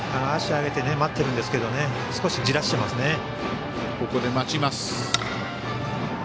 足を上げて待っているんですけど少し焦らしていますね。